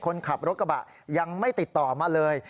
คนขับรถกระบะยังไม่ติดต่อมาเลย